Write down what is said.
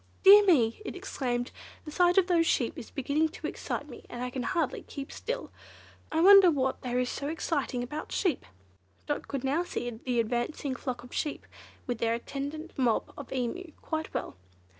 "Dear me!" it exclaimed, "the sight of those sheep is beginning to excite me, and I can hardly keep still! I wonder what there is so exciting about sheep!" Dot could now see the advancing flock of sheep, with their attendant mob of Emu, quite well.